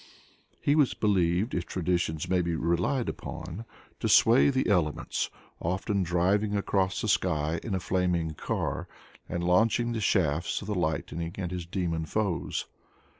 He was believed, if traditions may be relied upon, to sway the elements, often driving across the sky in a flaming car, and launching the shafts of the lightning at his demon foes.